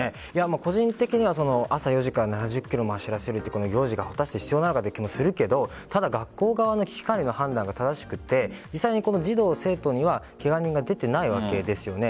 個人的には朝４時から７０ｋｍも走らされるという行事が必要なのかという気もするけど学校側の危機管理の判断が正しくて児童、生徒にはケガ人が出ていないわけですよね。